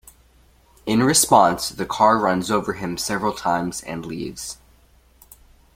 In response, the car runs over him several times and leaves.